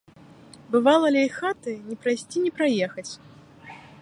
Бывала, ля іх хаты ні прайсці ні праехаць.